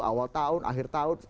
awal tahun akhir tahun